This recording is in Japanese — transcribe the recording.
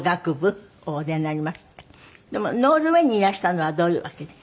でもノルウェーにいらしたのはどういう訳で？